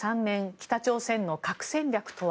北朝鮮の核戦略とは。